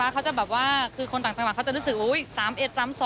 คนต่างประมาณเขาจะนึกสึกว่า